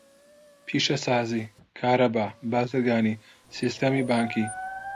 پیشەسازی، کارەبا، بازرگانی، سیستەمی بانکی.